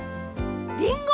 りんご！